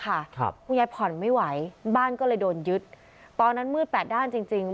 คุณยายผ่อนไม่ไหวบ้านก็เลยโดนยึดตอนนั้นมืดแปดด้านจริงจริง